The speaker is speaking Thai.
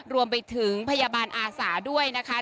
รวมไปถึงพยาบาลอาสาด้วยนะคะ